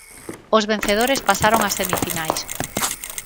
Os vencedores pasaron a semifinais.